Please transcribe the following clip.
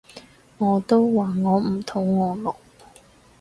我都話我唔肚餓咯